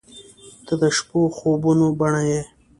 • ته د شپو خوبونو بڼه یې.